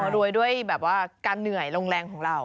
รวยด้วยแบบว่าการเหนื่อยลงแรงของเรา